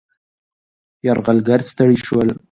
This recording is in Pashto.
یرغلګر ستړي شول.